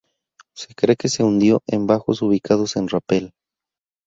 Se cree que se hundió en bajos ubicados en Rapel.